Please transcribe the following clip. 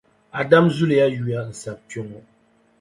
Adam zuliya yuya n-sab’ kpe ŋɔ.